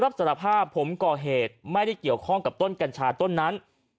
รับสารภาพผมก่อเหตุไม่ได้เกี่ยวข้องกับต้นกัญชาต้นนั้น